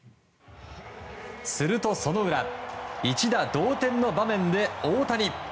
すると、その裏一打同点の場面で大谷。